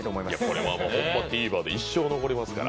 これはホンマ、ＴＶｅｒで一生残りますから。